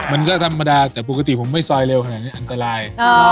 มันก็ธรรมดาแต่ปกติผมไม่ซอยเร็วขนาดนี้อันตราย